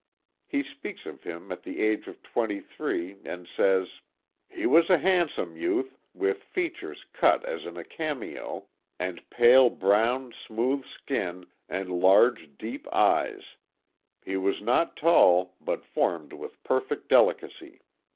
He speaks of him at the age of twenty three, and says: He was a handsome youth, with features cut as in a cameo, and pale brown, smooth skin, and large, deep eyes; he was not tall, but formed with perfect delicacy.